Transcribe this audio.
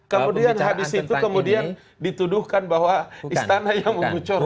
kemudian habis itu kemudian dituduhkan bahwa istana yang membocorkan